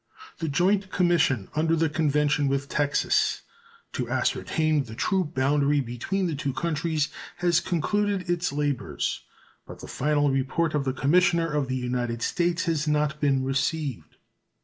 The joint commission under the convention with Texas to ascertain the true boundary between the two countries has concluded its labors, but the final report of the commissioner of the United States has not been received.